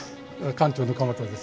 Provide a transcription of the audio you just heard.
館長の鎌田です。